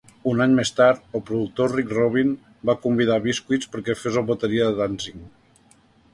Un any més tard, el productor Rick Rubin va convidar a Biscuits perquè fos el bateria de Danzig.